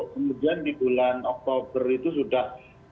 kemudian di bulan oktober itu sudah lima puluh sembilan